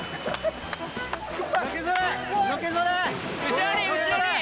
後ろに後ろに！